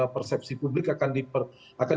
persepsi publik akan